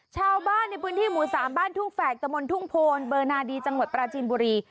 ชาวบ้านในพื้นที่หมู่๓บ้านทุ่งแฝกตะมนต์ทุ่งโพนเบอร์นาดีจังหวัดปราจีนบุรี